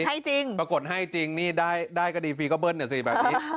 ให้จริงปรากฏให้จริงนี่ได้ก็ดีฟรีก็เบิ้ลเนี่ยสิแบบนี้